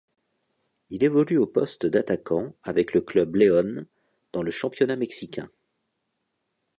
Il évolue au poste d'attaquant avec le Club León dans le championnat mexicain.